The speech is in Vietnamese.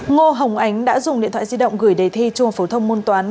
ngô hồng ánh đã dùng điện thoại di động gửi đề thi trung học phổ thông môn toán